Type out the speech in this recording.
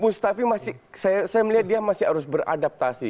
mustafi masih saya melihat dia masih harus beradaptasi